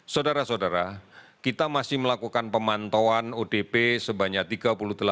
saudara saudara kita masih melakukan pemantauan odp sebanyak tiga puluh delapan tujuh ratus sembilan puluh satu